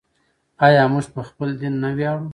آیا موږ په خپل دین نه ویاړو؟